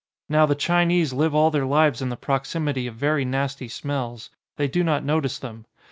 Now, the Chinese live all their lives in the proximity of very nasty smells. They do not notice them.